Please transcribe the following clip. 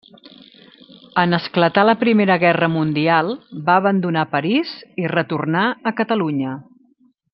En esclatar la Primera Guerra Mundial va abandonar París i retornà a Catalunya.